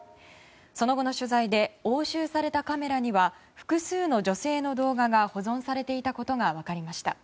その後の取材で押収されたカメラには複数の女性の動画が保存されていたことが分かりました。